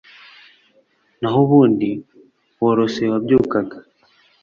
nahubundi worosoye uwabyukaga